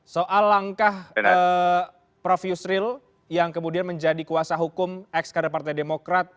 soal langkah prof yusril yang kemudian menjadi kuasa hukum ex kader partai demokrat